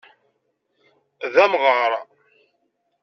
D amɣaṛ.